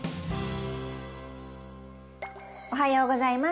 おはようございます。